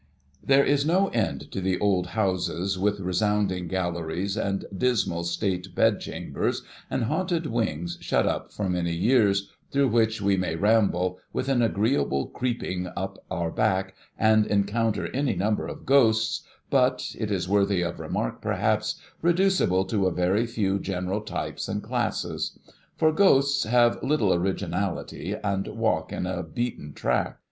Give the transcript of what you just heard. There is no end to the old houses, with resounding galleries, and dismal state bedchambers, and haunted wings shut up for many years, through which we may ramble, with an agreeable creeping up our back, and encounter any number of ghosts, but (it is worthy of remark perhaps) reducible to a very few general types and classes ; for, ghosts have little originality, and ' walk ' in a beaten track.